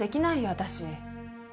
私。